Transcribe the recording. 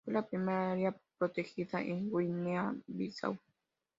Fue la primera área protegida en Guinea-Bissau.